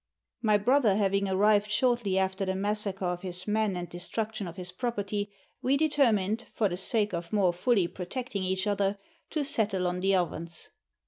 My brother having arrived shortly after the massacre of his men and destruction of his property, we determined, for the sake of more fully protecting each other, to settle on the Ovens.